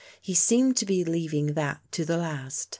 He seemed to be leaving that to the last.